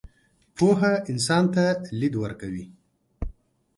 پوهه انسان ته لید ورکوي.